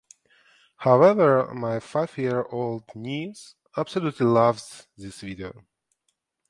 However my five year old niece absolutely loves this video.